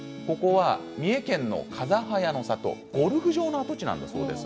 三重県のかざはやの里ゴルフ場の跡地だそうです。